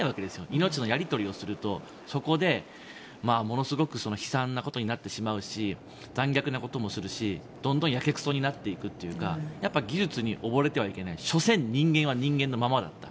命のやり取りをするとそこでものすごく悲惨なことになってしまうし残虐なこともするしどんどんやけくそになっていくというか技術に溺れてはいけない所詮、人間は人間のままだった。